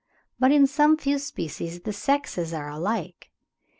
but in some few species the sexes are alike.